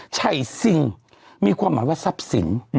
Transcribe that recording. ชัยซิงมีความหมายว่าทรัพย์สิน